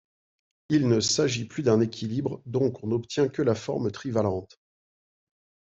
Il ne s'agit plus d'un équilibre, donc on n'obtient que la forme trivalente.